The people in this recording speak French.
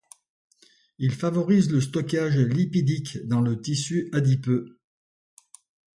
Il favorise le stockage lipidique dans le tissu adipeux.